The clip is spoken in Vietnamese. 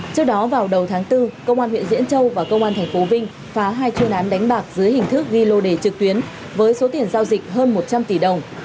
trước đó vào đầu tháng bốn công an huyện diễn châu và công an tp vinh phá hai chuyên án đánh bạc dưới hình thức ghi lô đề trực tuyến với số tiền giao dịch hơn một trăm linh tỷ đồng